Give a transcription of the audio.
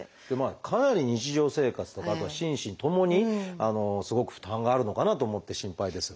かなり日常生活とかあとは心身ともにすごく負担があるのかなと思って心配ですが。